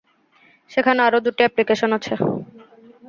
সেখানে আরও দুটি অ্যাপ্লিকেশন আছে।